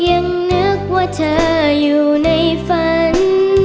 ยังนึกว่าเธออยู่ในฝัน